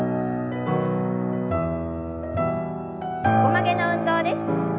横曲げの運動です。